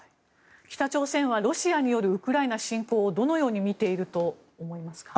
北朝鮮はロシアによるウクライナ侵攻をどのように見ていると思いますか？